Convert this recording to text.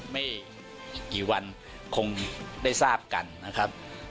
ไม่กี่วันคงได้ทราบกันนะครับ